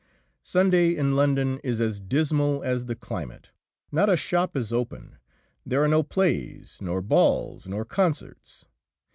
Sunday in London is as dismal as the climate. Not a shop is open; there are no plays, nor balls, nor concerts.